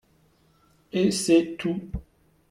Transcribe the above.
Et c'est tout